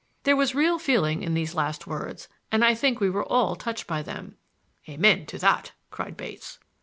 There was real feeling in these last words, and I think we were all touched by them. "Amen to that!" cried Bates.